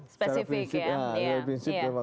spesifik ya ya